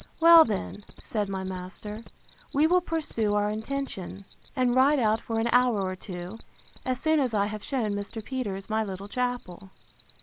Well then, said my master, we will pursue our intention, and ride out for an hour or two, as soon as I have shewn Mr. Peters my little chapel.